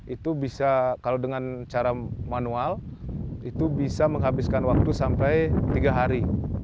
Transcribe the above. itu bisa kalau dengan cara manual itu bisa menghabiskan waktu sampai tiga hari